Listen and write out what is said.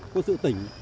của sự tỉnh